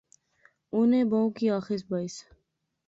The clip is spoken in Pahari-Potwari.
اُنی بہوں کی آخیس بائیس